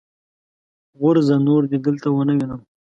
غورځه! نور دې دلته و نه وينم.